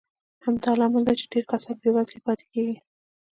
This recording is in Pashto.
همدا لامل دی چې ډېر کسان بېوزله پاتې کېږي.